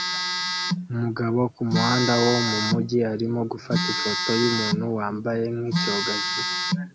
Umugabo kumuhanda wo mumujyi arimo gufata ifoto yumuntu wambaye nkicyogajuru